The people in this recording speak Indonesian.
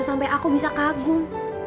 sampai aku bisa kagum